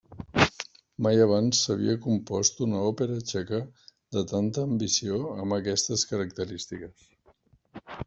Mai abans s'havia compost una òpera txeca de tanta ambició amb aquestes característiques.